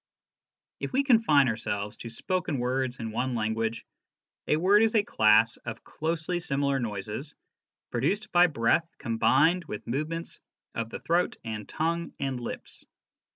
If we confine ourselves to spoken words in one language, a word is a class of closely similar noises produced by breath combined with movements of the throat and tongue and lips.